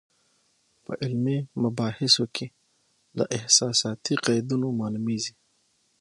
په علمي مباحثو کې له احساساتي قیدونو معلومېږي.